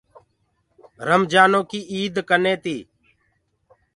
رمجآنٚوئي ايٚد ڪني هي